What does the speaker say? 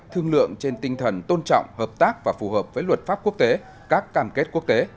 thương lượng trên tinh thần tôn trọng hợp tác và phù hợp với luật pháp quốc tế các cam kết quốc tế